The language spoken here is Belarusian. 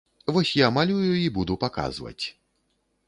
Вось я малюю і буду паказваць!